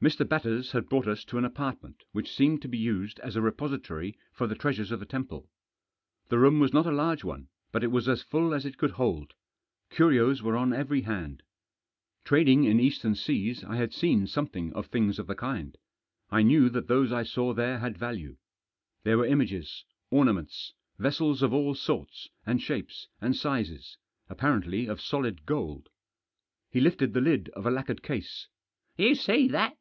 Mr. Batters had brought us to an apartment which seemed to be used as a repository for the treasures of the temple. The room was not a large one, but it was as full as it could hold. Curios were on every hand. Trading in Eastern seas I had seen something of things of the kind ; I knew that those I saw there had value. There were images, ornaments, vessels of all sorts, and shapes, and sizes, apparently of solid gold. He lifted the lid of a lacquered case. " You see that